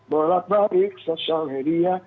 bolak balik sosial media